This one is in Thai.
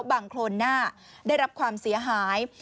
โครนหน้าได้รับความเสียหาย